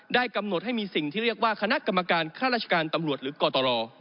กำหนดให้มีสิ่งที่เรียกว่าคณะกรรมการค่าราชการตำรวจหรือกตร